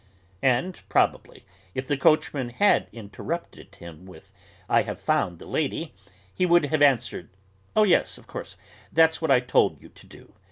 And probably, if the coachman had interrupted him with, "I have found the lady," he would have answered, "Oh, yes, of course; that's what I told you to do.